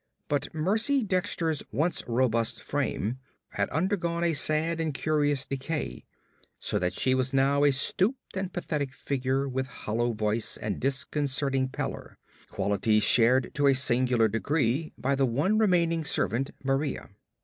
But Mercy Dexter's once robust frame had undergone a sad and curious decay, so that she was now a stooped and pathetic figure with hollow voice and disconcerting pallor qualities shared to a singular degree by the one remaining servant Maria.